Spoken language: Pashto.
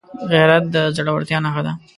غیرت د زړورتیا نښه ده